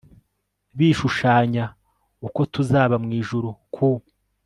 bishushanya uko tuzaba mu ijuru ku